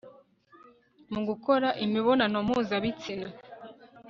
mu gukora imibonano mpuzabitsina